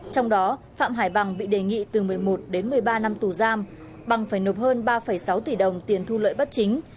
trong đó phạm hải bằng bị đề nghị từ một mươi một đến một mươi ba năm tù giam bằng phải nộp hơn ba sáu tỷ đồng tiền thu lợi bất chính